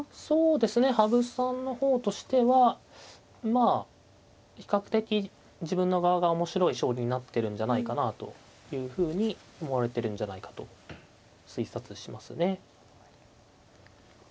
そうですね羽生さんの方としてはまあ比較的自分の側が面白い将棋になってるんじゃないかなというふうに思われてるんじゃないかと推察しますね。